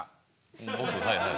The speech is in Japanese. うん僕はいはい。